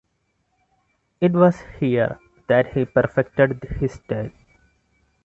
It was here that he perfected his style.